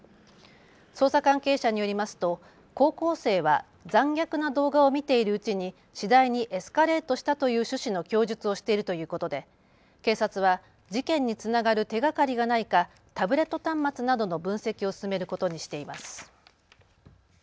捜査関係者によりますと高校生は残虐な動画を見ているうちに次第にエスカレートしたという趣旨の供述をしているということで警察は事件につながる手がかりがないかタブレット端末などの分析を進めることにしています。